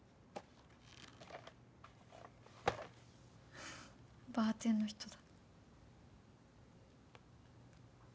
ふふっバーテンの人だ。